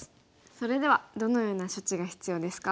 それではどのような処置が必要ですか？